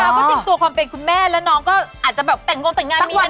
ก้าวก็สดิ่งตัวความเป็นคุณแม่แล้วน้องก็อาจจะแบบแต้งโง่แต้งงานมีอนาคต